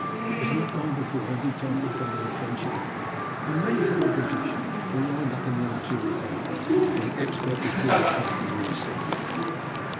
It was not long before every type of gun in the French Army, and many from the British, were lined up in the artillery camp, being expertly pulled apart and reassembled.